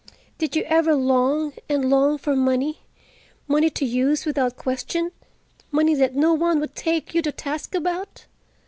"Did you ever long, and long, for money—money to use without question, money that no one would take you to task about?